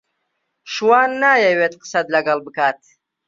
شوان نایەوێت قسەت لەگەڵ بکات.